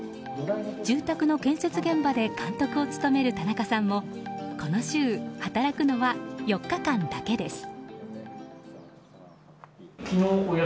住宅の建設現場で監督を務める田中さんもこの週、働くのは４日間だけです。